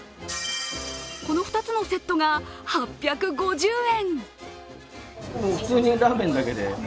この２つのセットが８５０円。